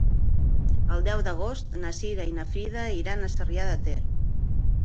El deu d'agost na Cira i na Frida iran a Sarrià de Ter.